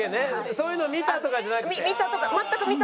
そういうの見たとかじゃなくて。